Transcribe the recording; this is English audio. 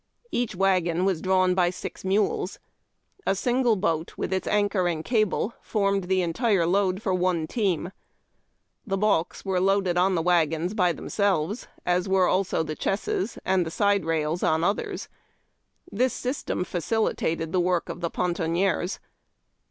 Each wagon was drawn bv six mules, A sinirle boat with its anchor and cable fcn'nied the entire load for one team. The balks were loaded on wagons l)y themselves, as were also the chesses, and. the side rails on others. Tliis system facilitated the work of the pontoniers.